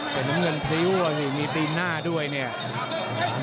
เกิดน้ำเงินพริ้วมีตีนหน้าด้วยเนี่ย